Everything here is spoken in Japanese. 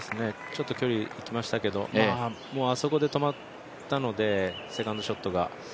ちょっと距離行きましたけど、もうあそこで止まったので、セカンドショットが。